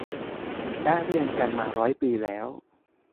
และเรียนกันมาร้อยปีแล้ว